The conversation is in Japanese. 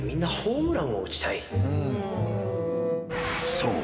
［そう。